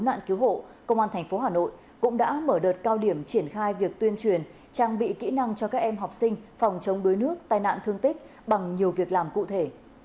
cứu nạn cứu hộ công an thành phố hà nội cũng đã mở đợt cao điểm triển khai việc tuyên truyền trang bị kỹ năng cho các em học sinh phòng chống đuối nước tai nạn thương tích bằng nhiều việc làm cụ thể